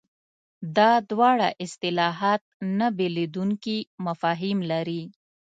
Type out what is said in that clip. دا دواړه اصطلاحات نه بېلېدونکي مفاهیم لري.